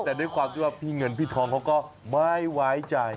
แต่ด้วยความที่ว่าพี่เงินพี่ทองเขาก็ไม่ไว้ใจ